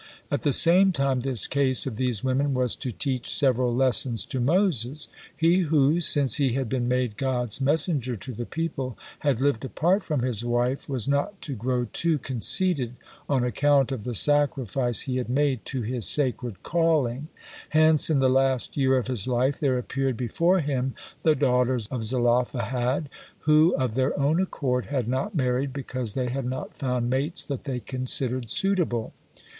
At the same time this case of these women was to teach several lessons to Moses. He who, since he had been made God's messenger to the people, had lived apart from his wife was not to grow too conceited on account of the sacrifice he had made to his sacred calling; hence in the last year of his life there appeared before him the daughters of Zelophehad, who of their own accord had not married because they had not found mates that they considered suitable.